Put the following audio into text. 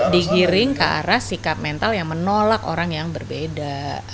digiring ke arah sikap mental yang menolak orang yang berbeda